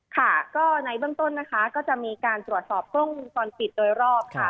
ค่ะก็ในเบื้องต้นนะคะก็จะมีการตรวจสอบกล้องวงจรปิดโดยรอบค่ะ